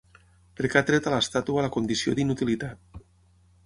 Perquè ha tret a l'estàtua la condició d'inutilitat